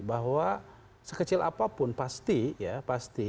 bahwa sekecil apapun pasti ya pasti